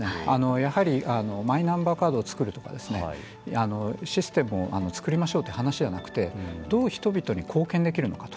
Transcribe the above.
やはりマイナンバーカードを作るとかシステムを作りましょうという話ではなくてどう人々に貢献できるのかと。